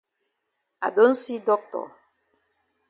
I don see doctor.